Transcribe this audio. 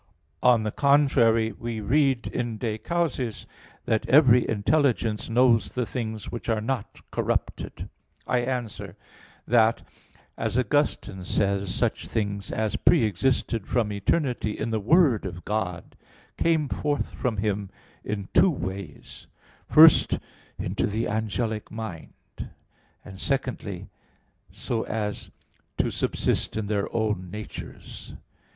On the contrary, We read in De Causis that "every intelligence knows the things which are not corrupted." I answer that, As Augustine says (Gen. ad lit. lit. ii), such things as pre existed from eternity in the Word of God, came forth from Him in two ways: first, into the angelic mind; and secondly, so as to subsist in their own natures.